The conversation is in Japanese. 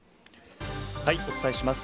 お伝えします。